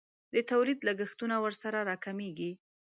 د تولید لګښتونه ورسره راکمیږي.